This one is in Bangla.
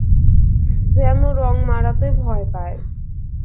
যেন রঙ মাড়াতে ভয় পায়।